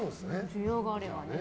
需要があればね。